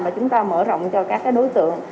và chúng ta mở rộng cho các cái đối tượng